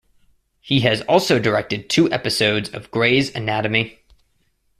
He has also directed two episodes of "Grey's Anatomy".